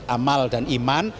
amal dan iman